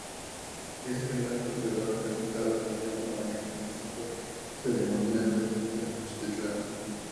Ese relato quedó representado en el Templo Mayor del recinto ceremonial de Tenochtitlan.